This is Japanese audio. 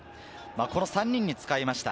この３人に使いました。